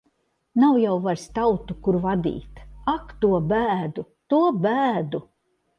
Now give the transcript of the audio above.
Nav jau vairs tautu, kur vadīt. Ak, to bēdu! To bēdu!